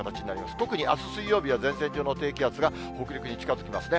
特にあす水曜日は前線上の低気圧が北陸に近づきますね。